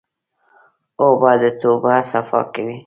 اوبه د توبه صفا کوي.